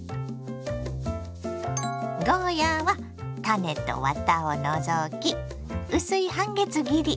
ゴーヤーは種とワタを除き薄い半月切り。